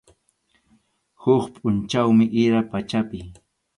Huk pʼunchawmi ira pachapi.